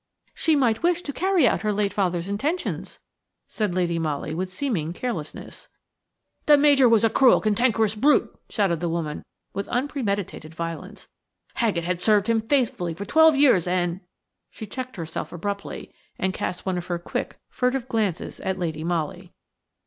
"She might wish to carry out her late father's intentions," said Lady Molly with seeming carelessness. "The Major was a cruel, cantankerous brute," shouted the woman with unpremeditated violence. "Haggett had served him faithfully for twelve years, and–" She checked herself abruptly, and cast one of her quick, furtive glances at Lady Molly.